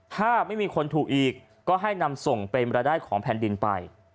ถ้าไม่มีคนถูกอีกก็ให้นำส่งเป็นรายได้ของแผ่นดินไป